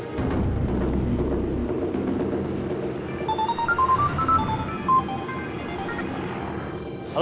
kamu tetap di jalan